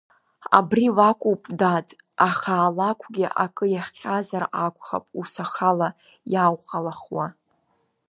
Абри лакәуп, дад, аха алакәгьы акы иахҟьазар акәхап, ус ахала иауҟалахуа.